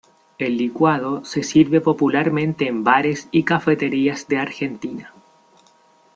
El licuado se sirve popularmente en bares y cafeterías de Argentina.